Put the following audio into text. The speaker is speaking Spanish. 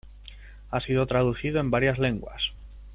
Ha sido traducido en varias lenguas.